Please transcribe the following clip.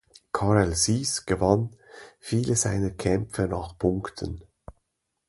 Karel Sys gewann viele seiner Kämpfe nach Punkten.